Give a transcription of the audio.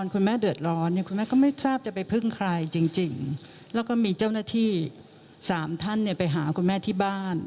คุณแม่ก็ไม่ทราบจะไปพึ่งใครจริงแล้วก็มีเจ้าหน้าที่๓ท่านไปหาคุณแม่ที่บ้าน